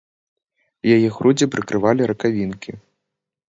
Яе грудзі прыкрывалі ракавінкі.